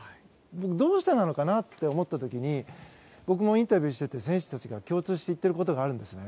どうしてなのかなって思った時に僕もインタビューしてて選手たちが共通して言っていることがあるんです。